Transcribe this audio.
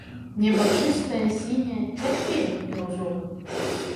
Неба чыстае, сіняе, як келіх бірузовы.